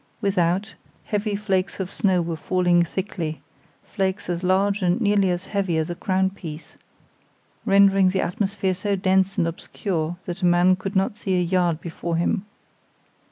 Without, heavy flakes of snow were falling thickly, flakes as large and nearly as heavy as a crown piece, rendering the atmosphere so dense and obscure that a man could not see a yard before him.